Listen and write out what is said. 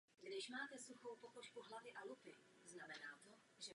Severní část kráteru je zakryta lávou úplně.